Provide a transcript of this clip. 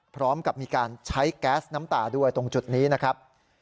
พร้อมกับมีการใช้แก๊สน้ำตาด้วยตรงจุดนี้นะครับ